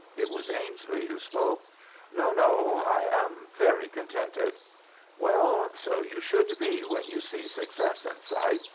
It was Ainslie who spoke. "No, no; I am very contented." "Well, so you should be when you see success in sight.